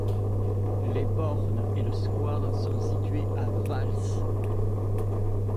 Les bornes et le square sont situés à Vaals.